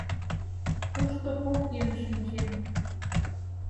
Тушто кок еҥ шинчен.